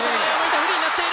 フリーになっている。